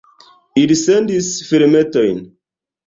Ili sendis filmetojn.